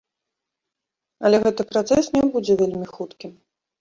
Але гэты працэс не будзе вельмі хуткім.